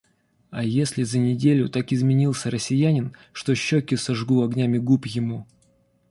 А если за неделю так изменился россиянин, что щеки сожгу огнями губ ему.